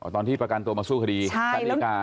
อ๋อตอนที่ประกันตัวมาสู้คดีสารดีกา